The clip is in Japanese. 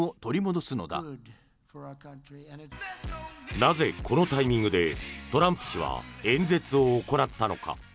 なぜ、このタイミングでトランプ氏は演説を行ったのか。